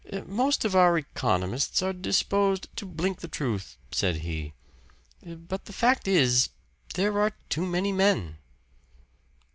"Most of our economists are disposed to blink the truth," said he. "But the fact is, there are too many men."